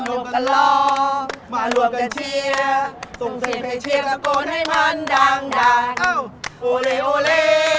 โอเล่โอเล่โอเล่โอเล่